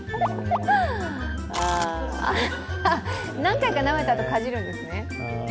何回かなめたあとかじるんですね。